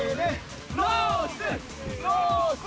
ロース！